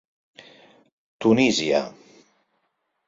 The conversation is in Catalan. Tunísia.